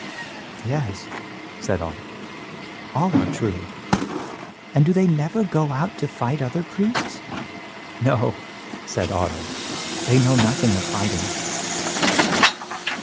"Yes," said Otto, "all are true." "And do they never go out to fight other priests?" "No," said Otto, "they know nothing of fighting."